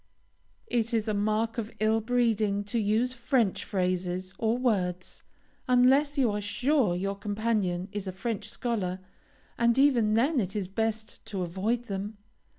It is a mark of ill breeding to use French phrases or words, unless you are sure your companion is a French scholar, and, even then, it is best to avoid them.